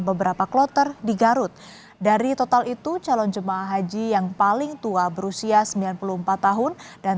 beberapa kloter di garut dari total itu calon jemaah haji yang paling tua berusia sembilan puluh empat tahun dan